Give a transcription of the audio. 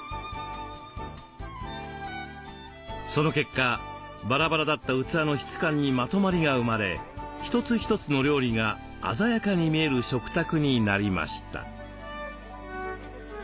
その結果バラバラだった器の質感にまとまりが生まれ一つ一つの料理が鮮やかに見える食卓になりました。